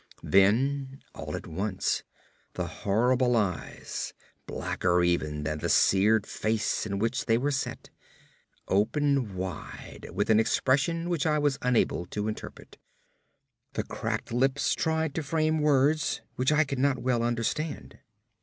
Then all at once the horrible eyes, blacker even than the seared face in which they were set, opened wide with an expression which I was unable to interpret. The cracked lips tried to frame words which I could not well understand.